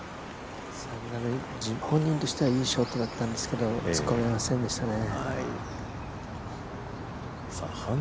本人としてはいいショットだったんですけど突っ込めませんでしたね。